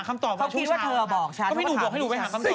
ก็ไม่รู้บอกฉันไปหาคำตอบให้ผู้ชมไง